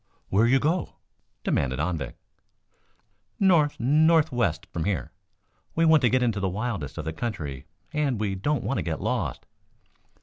"Where you go?" demanded Anvik. "North. Northwest from here. We want to get into the wildest of the country and we don't want to get lost."